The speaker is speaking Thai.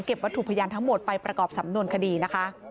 วัตถุพยานทั้งหมดไปประกอบสำนวนคดีนะคะ